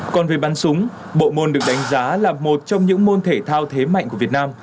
còn về bắn súng bộ môn được đánh giá là một trong những môn thể thao thế mạnh của việt nam